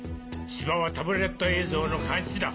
千葉はタブレット映像の監視だ。